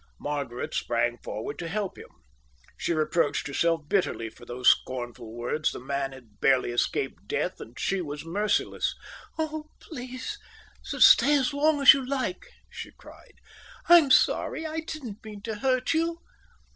Margaret sprang forward to help him. She reproached herself bitterly for those scornful words. The man had barely escaped death, and she was merciless. "Oh, please stay as long as you like," she cried. "I'm sorry, I didn't mean to hurt you."